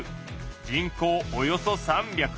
人口およそ３００。